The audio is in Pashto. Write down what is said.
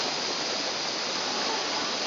او په هر زړه او دماغ کې دې یې